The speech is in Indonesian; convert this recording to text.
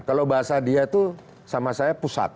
kalau bahasa dia itu sama saya pusat